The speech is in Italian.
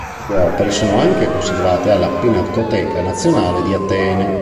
Sue opere sono anche conservate alla Pinacoteca nazionale di Atene.